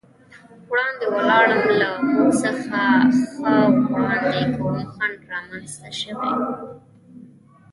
وړاندې ولاړم، له موږ څخه ښه وړاندې کوم خنډ رامنځته شوی و.